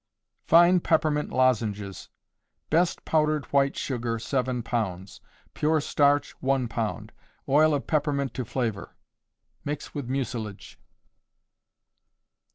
Fine Peppermint Lozenges. Best powdered white sugar, 7 pounds; pure starch, 1 pound; oil of peppermint to flavor. Mix with mucilage.